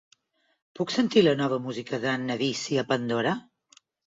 Puc sentir la nova música d'Anna Vissi a Pandora?